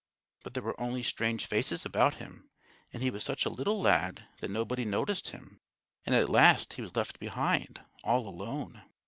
But there were only strange faces about him, and he was such a little lad that nobody noticed him; and at last he was left behind, all alone.